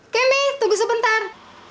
kemi tunggu sebentar